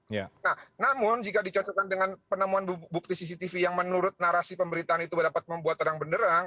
nah namun jika dicocokkan dengan penemuan bukti cctv yang menurut narasi pemberitaan itu dapat membuat terang benerang